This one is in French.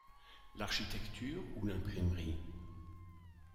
L’architecture ou l’imprimerie?